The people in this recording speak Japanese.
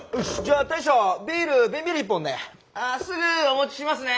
あすぐお持ちしますね。